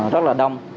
rất là đông